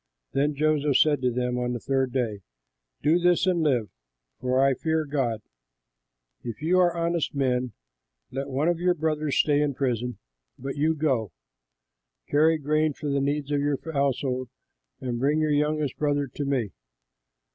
Then Joseph said to them on the third day, "Do this and live, for I fear God: if you are honest men, let one of your brothers stay in prison, but you go, carry grain for the needs of your households and bring your youngest brother to me.